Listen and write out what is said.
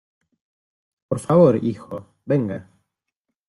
por favor, hijo , venga.